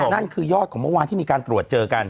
นั่นคือยอดของเมื่อวานที่มีการตรวจเจอกัน